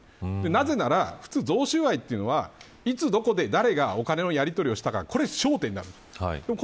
なぜなら普通、贈収賄というのはいつどこで誰がお金のやり取りをしたかこれ焦点だから。